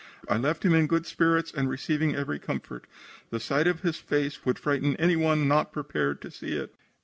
I left him in good spirits and receiving every comfort. The sight of his face would frighten anyone not prepared to see it."